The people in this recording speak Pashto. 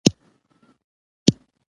زه د علمي او تخنیکي پرمختګ په لټه کې یم.